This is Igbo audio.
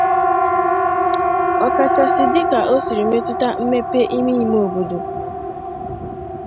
ọkachasị dịka o siri metụta mmepe ime-ime obodo